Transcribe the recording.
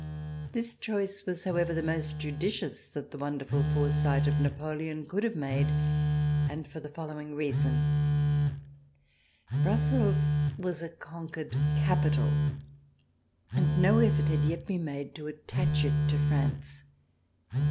This choice was, however, the most judicious that the wonderful foresight of Napoleon could have made, and for the following reason: Brussels was a conquered capital and no effort had yet been made to attach it to France.